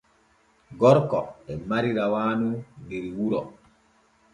Gorko e mari rawaanu der wuro.